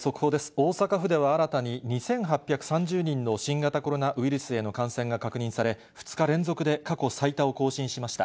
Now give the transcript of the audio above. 大阪府では新たに２８３０人の新型コロナウイルスへの感染が確認され、２日連続で過去最多を更新しました。